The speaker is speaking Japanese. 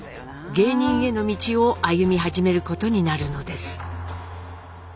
芸人への道を歩み始めることになるのです。